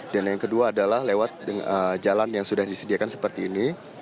dan yang kedua adalah lewat jalan yang sudah disediakan seperti ini